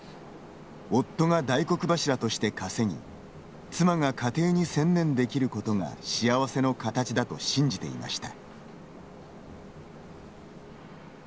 夫が大黒柱として稼ぎ妻が家庭に専念できることが幸せの形だと信じていました。